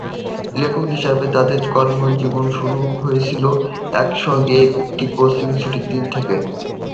লেখক হিসেবে তাদের কর্মজীবন শুরু হয়েছিল একসঙ্গে একটি স্কেচিং ছুটির দিন থেকে।